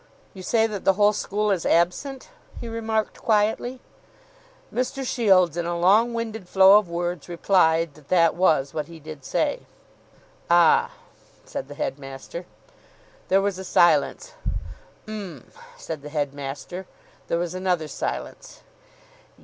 "You say that the whole school is absent?" he remarked quietly. Mr. Shields, in a long winded flow of words, replied that that was what he did say. "Ah!" said the headmaster. There was a silence. "'M!" said the headmaster. There was another silence.